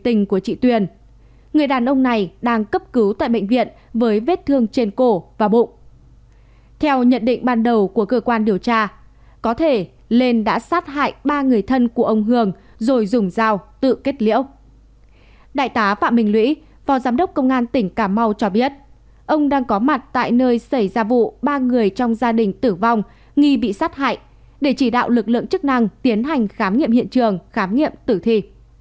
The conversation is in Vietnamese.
đại tá phạm bình lũy phó giám đốc công an tỉnh cà mau cho biết ông đang có mặt tại nơi xảy ra vụ ba người trong gia đình tử vong nghi bị sát hại để chỉ đạo lực lượng chức năng tiến hành khám nghiệm hiện trường khám nghiệm tử thi